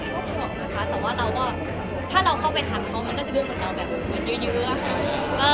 ก็ก็ปล่วงนะคะแต่ว่าเราก็ถ้าเราเข้าไปถามเขามันก็จะดึงกลิ่นเราแบบเหมือนเยอะเยื้อ